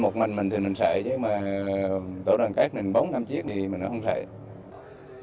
một mình mình thì mình sợ chứ mà tổ đội tàu đoàn kết mình bốn năm chiếc thì mình cũng không sợ